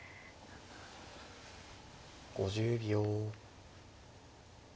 ５０秒。